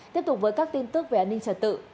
tiếp tục với các tin tức về an ninh trật tự